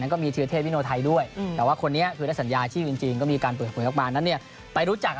นักเตะเยาวชนอังกฤษที่ได้สัญญาคือที่ปากมาเราไปฝึก